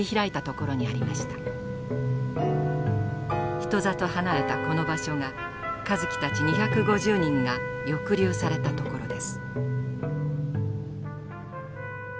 人里離れたこの場所が香月たち２５０人が抑留された所です。